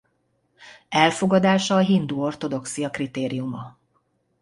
Elfogadása a hindu ortodoxia kritériuma.